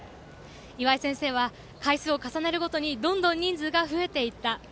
いわい先生は回数を重ねるごとにどんどん人数が増えていった。